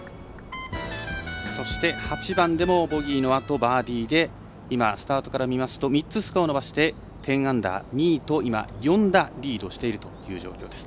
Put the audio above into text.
そして８番でもボギーのあと、バーディーで今、スタートから見ますと３つスコアを伸ばして１０アンダー、２位と４打リードしているという状況です。